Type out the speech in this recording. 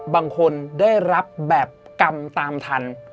บางคนได้รับแบบกรรมตามทัน